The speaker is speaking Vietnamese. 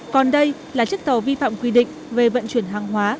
còn đây là chiếc tàu vi phạm quy định về vận chuyển hàng hóa